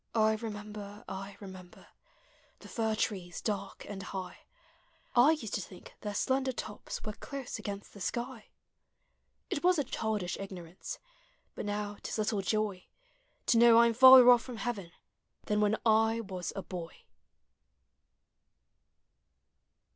1 remember, I remember The fir trees dark and high ; I used to think their slender tops Were close against the sky. It was a childish ignorance, But now 't is little joy To know I 'm farther otf from heaven Thau when I was a boy.